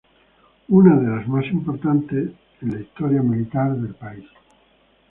Una de las más importantes en la historia militar del país.